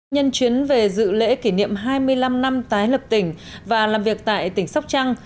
nhân chuyến về dự lễ kỷ niệm hai mươi năm năm tái lập tỉnh và làm việc tại tỉnh sóc trăng